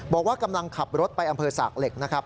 บอกว่ากำลังขับรถไปอำเภอสากเหล็กนะครับ